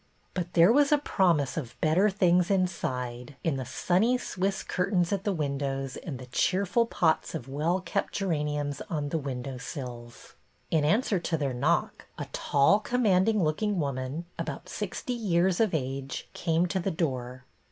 But there was a promise of better things inside, in the sunny Swiss curtains at the windows and the cheer ful pots of well kept geraniums on the window sills. In answer to their knock a tall, command ing looking woman, about sixty years of age, came to the door.